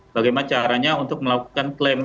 bagaimana caranya untuk melakukan klaim